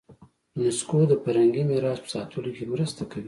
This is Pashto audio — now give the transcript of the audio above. یونسکو د فرهنګي میراث په ساتلو کې مرسته کوي.